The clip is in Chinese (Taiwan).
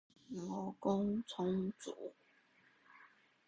勞工充足